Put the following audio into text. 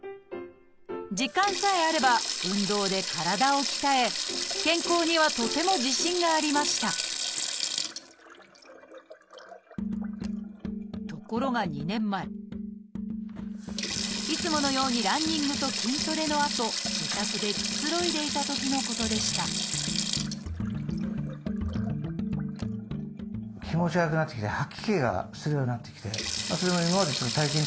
時間さえあれば運動で体を鍛え健康にはとても自信がありましたところが２年前いつものようにランニングと筋トレのあと自宅でくつろいでいたときのことでしたマーライオンみたいにぶわっとぐわっと。